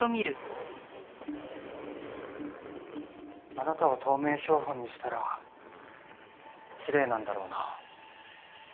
あなたを透明標本にしたらきれいなんだろうな。